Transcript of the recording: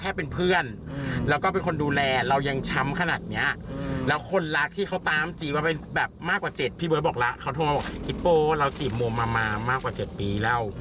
อันนี้คุณฮิโปะเราจีบมวลมามามากกว่า๗ปีแล้ว